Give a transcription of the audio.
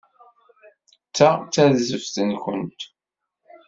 Ta d tarzeft-nkent.